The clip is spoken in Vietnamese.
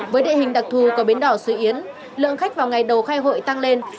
với địa hình đặc thù của bến đỏ sứ yến lượng khách vào ngày đầu khai hội tăng lên